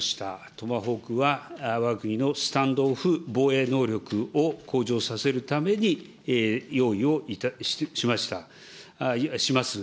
トマホークは、わが国のスタンド・オフ防衛能力を向上させるために用意をしました、します。